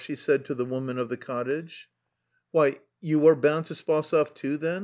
she said to the woman of the cottage. "Why, you are bound to Spasov, too, then?"